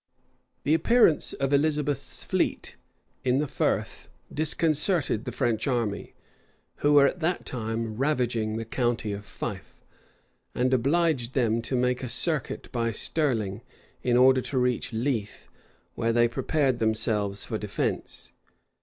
xv. p. 569. {1560.} The appearance of Elizabeth's fleet in the frith disconcerted the French army, who were at that time ravaging the county of Fife; and obliged them to make a circuit by Stirling, in order to reach Leith, where they prepared themselves for defence.